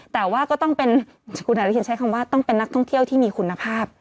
แต่ว่าก็ต้องเป็นคุณอนุทินใช้คำว่าต้องเป็นนักท่องเที่ยวที่มีคุณภาพ